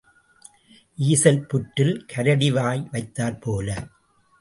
ஈசல் புற்றில் கரடி வாய் வைத்தாற் போல.